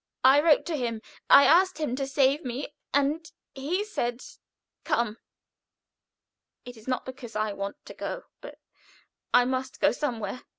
I wrote to him I asked him to save me, and he said, 'Come!' It is not because I want to go, but I must go somewhere.